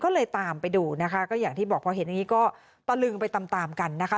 ก็เลยตามไปดูนะคะก็อย่างที่บอกพอเห็นอย่างนี้ก็ตะลึงไปตามตามกันนะคะ